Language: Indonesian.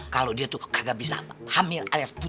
kalau dia tuh kagak bisa hamil alias pun